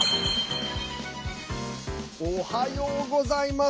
おはようございます。